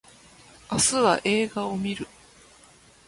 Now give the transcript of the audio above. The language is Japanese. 明日は映画を見る